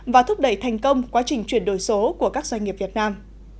và thúc đẩy thành công quá trình chuyển đổi số của các doanh nghiệp việt nam